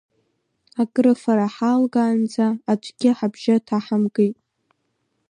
Акрыфара ҳалгаанӡа аӡәгьы ҳабжьы ҭаҳамгеит.